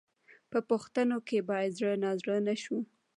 په پوښتنو کې باید زړه نازړه نه شو.